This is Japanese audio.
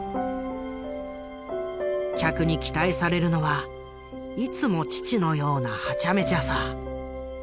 客に期待されるのはいつも父のようなハチャメチャさ。